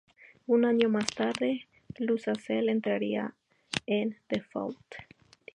Un año más tarde, Iusacell entraría en default.